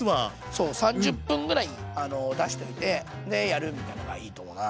そう３０分ぐらい出しといてでやるみたいなのがいいと思うな。